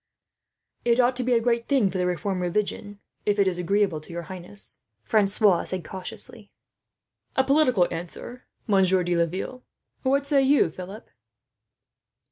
"It ought to be a great thing for the Reformed religion, if it is agreeable to your highness," Francois said cautiously. "A politic answer, Monsieur de Laville. "What say you, Philip?"